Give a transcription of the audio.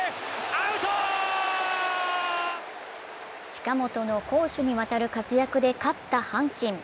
近本の攻守にわたる活躍で勝った阪神。